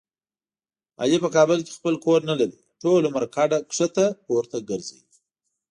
علي په کابل کې خپل کور نه لري. ټول عمر کډه ښکته پورته ګرځوي.